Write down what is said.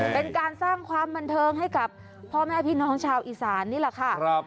เป็นการสร้างความบันเทิงให้กับพ่อแม่พี่น้องชาวอีสานนี่แหละค่ะ